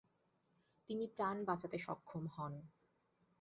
তিনি প্রাণ বাঁচাতে সক্ষম হন।